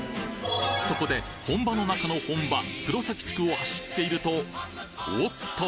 そこで本場の中の本場黒崎地区を走っているとおっと！